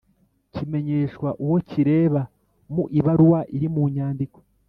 kimenyeshwa uwo kireba mu ibaruwa iri munyandiko